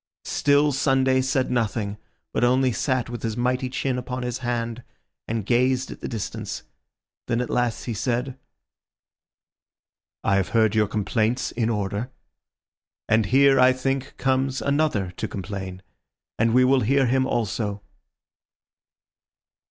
Still Sunday said nothing, but only sat with his mighty chin upon his hand, and gazed at the distance. Then at last he said— "I have heard your complaints in order. And here, I think, comes another to complain, and we will hear him also."